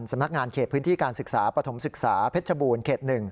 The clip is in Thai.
สำนักงานเขตพื้นที่การศึกษาปฐมศึกษาเพชรบูรณ์เขต๑